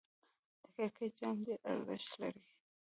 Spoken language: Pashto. د کرکټ جام ډېر ارزښت لري.